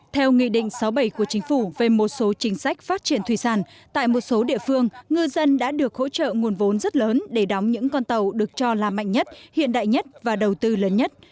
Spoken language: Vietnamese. theo nghị định sáu bảy của chính phủ về một số chính sách phát triển thủy sản tại một số địa phương ngư dân đã được hỗ trợ nguồn vốn rất lớn để đóng những con tàu được cho là mạnh nhất hiện đại nhất và đầu tư lớn nhất